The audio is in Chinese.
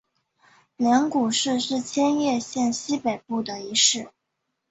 镰谷市是千叶县西北部的一市。